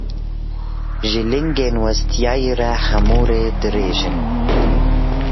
Ji lingên westiyayî re hemû rê dirêj in.